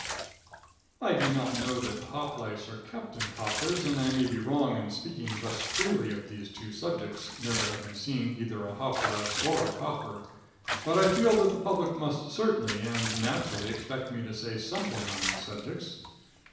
] I do not know that hop lice are kept in coffers, and I may be wrong in speaking thus freely of these two subjects, never having seen either a hop louse or a coffer, but I feel that the public must certainly and naturally expect me to say something on these subjects.